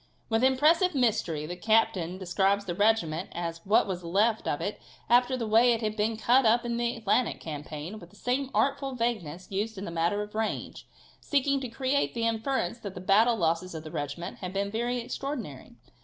With impressive mystery the captain describes the regiment as what was left of it after the way it had been cut up in the Atlantic campaign, with the same artful vagueness used in the matter of the range, seeking to create the inference that the battle losses of the regiment had been very extraordinary.